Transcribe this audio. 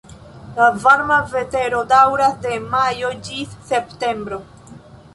La varma vetero daŭras de majo ĝis septembro.